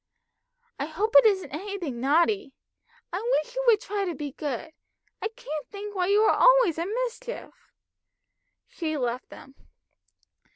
"I hope it isn't anything naughty. I wish you would try to be good. I can't think why you are always in mischief!" She left them.